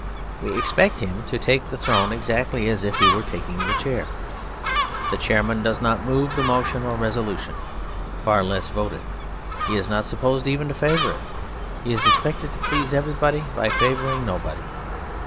We expect him to take the throne exactly as if he were taking the chair. The chairman does not move the motion or resolution, far less vote it; he is not supposed even to favour it. He is expected to please everybody by favouring nobody.